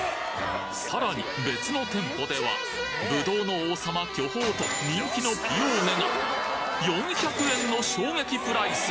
さらに別の店舗ではぶどうの王様巨峰と人気のピオーネが４００円の衝撃プライス！